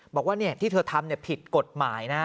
บอกว่าที่เธอทำผิดกฎหมายนะ